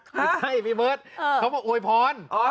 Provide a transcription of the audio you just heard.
ใช่มีเบิ้ดเขาบอกโอยพร